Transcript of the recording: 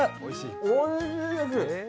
おいしいです。